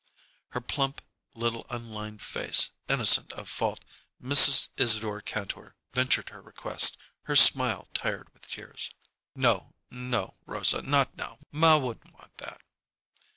Her plump little unlined face innocent of fault, Mrs. Isadore Kantor ventured her request, her smile tired with tears. "No, no Rosa not now! Ma wouldn't want that!"